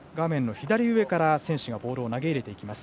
左上から選手がボールを投げ入れます。